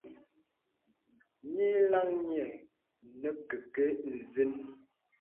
Nyìlaŋ nyə̄ nə kɛkɛ ǹzən.